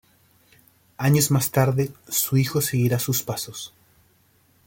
Años más tarde, su hijo seguirá sus pasos.